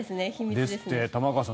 ですって、玉川さん。